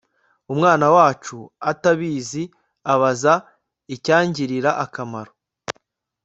umwana wacu, atabizi, abaza icyangirira akamaro